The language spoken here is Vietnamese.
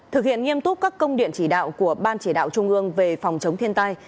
thực hiện nghiêm túc các công điện chỉ đạo của ban chỉ đạo trung ương về phòng chống thiên tai